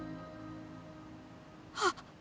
あっ。